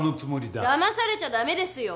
だまされちゃ駄目ですよ。